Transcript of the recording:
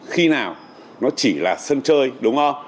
khi nào nó chỉ là sân chơi đúng không